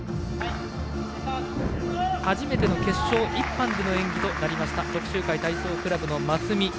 初めての決勝１班での演技となりました徳洲会体操クラブの松見。